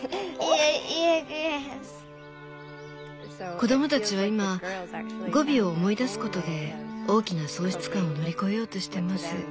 子供たちは今ゴビを思い出すことで大きな喪失感を乗り越えようとしています。